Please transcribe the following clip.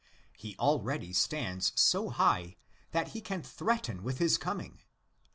He already stands so high that he can threaten with his coming (iv.